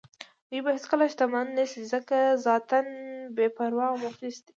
دوی به هېڅکله شتمن نه شي ځکه ذاتاً بې پروا او مفلس دي.